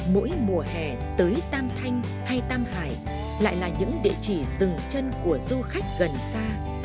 mỗi mùa hè tới tam thanh hay tam hải lại là những địa chỉ rừng chân của du khách gần xa